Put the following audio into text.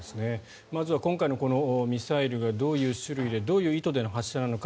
まずは今回のミサイルがどういう種類でどういう意図での発射なのか